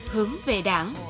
hướng về đảng